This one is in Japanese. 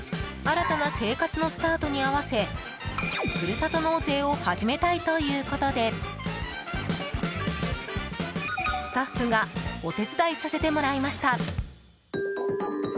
新たな生活のスタートに合わせふるさと納税を始めたいということでスタッフがお手伝いさせてもらいました。